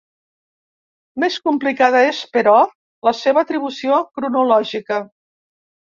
Més complicada és, però, la seva atribució cronològica.